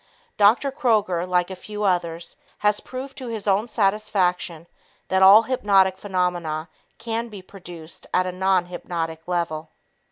Dr. Kroger, like a few others, has proved to his own satisfaction that all hypnotic phenomena can be produced at a non hypnotic level.